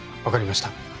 分かりました。